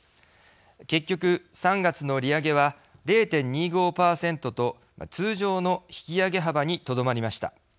結局、３月の利上げは０．２５％と通常の引き上げ幅にとどまりました。